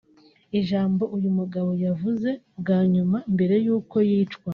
Ijambo uyu mugabo yavuze bwa nyuma mbere y’uko yicwa